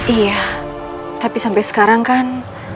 iya tapi sampai sekarang kan